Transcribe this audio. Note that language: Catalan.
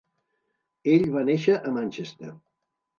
Ell va néixer a Manchester.